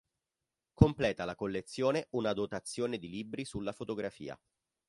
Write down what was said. Completa la collezione una dotazione di libri sulla fotografia.